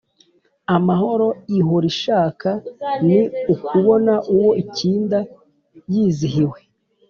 amahoro ihora ishaka ni ukubona uwo ikinda yizihiwe